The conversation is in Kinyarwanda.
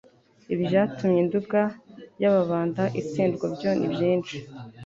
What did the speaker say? Ibyatumye Nduga y'Ababanda itsindwa byo ni byinshi,